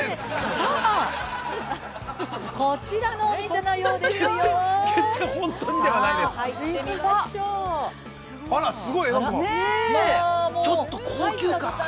◆さあ、こちらのお店のようですよー。